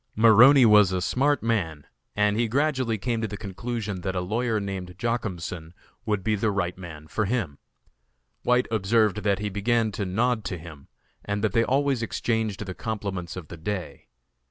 Maroney was a smart man, and he gradually came to the conclusion that a lawyer named Joachimson would be the right man for him. White observed that he began to nod to him, and that they always exchanged the compliments of the day.